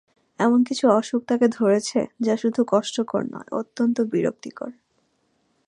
এমন কিছু অসুখ তাঁকে ধরেছে, যা শুধু কষ্টকর নয়, অত্যন্ত বিরক্তিকর।